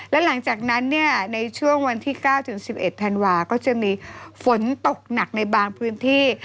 และหลังจากนั้นเนี่ยในช่วงวันที่๙๑๑ธันวาก็จะมีฝนตกหนักในบางพื้นที่